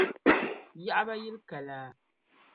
Yaɣiba yili ka laa.